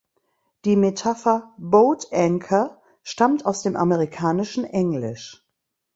Die Metapher "Boat anchor" stammt aus dem amerikanischen Englisch.